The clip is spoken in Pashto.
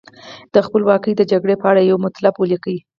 د خپلواکۍ د جګړې په اړه یو مطلب ولیکئ.